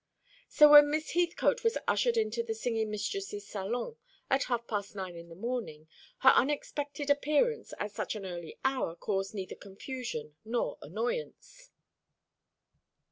So when Miss Heathcote was ushered into the singing mistress's salon at half past nine in the morning, her unexpected appearance at such an early hour caused neither confusion nor annoyance.